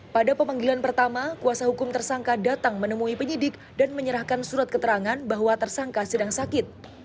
pada pemanggilan pertama kuasa hukum tersangka datang menemui penyidik dan menyerahkan surat keterangan bahwa tersangka sedang sakit